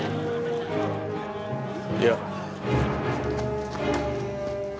いや。